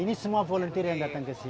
ini semua volunteer yang datang ke sini